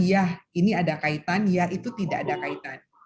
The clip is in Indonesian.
iya ini ada kaitan ya itu tidak ada kaitan